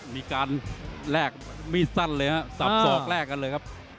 มีการแลกมีดสั้นเลยฮะสับสอกแลกกันเลยครับ